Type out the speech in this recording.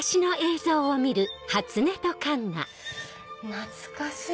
懐かしい。